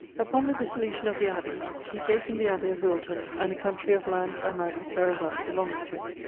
Upon the dissolution of the abbeys, he gave him the abbey of Wilton, and a country of lands and mannours thereabout belonging to it.